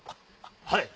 はい。